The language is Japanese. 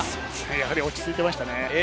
やはり落ち着いていましたね。